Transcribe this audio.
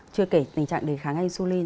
chưa kể tình trạng đề kháng insulin